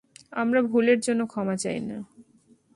আমরা ভুলের জন্য ক্ষমা চাই না।